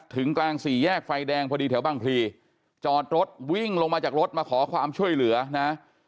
ถึงกลางสี่แยกไฟแดงพอดีแถวบางพลีจอดรถวิ่งลงมาจากรถมาขอความช่วยเหลือนะ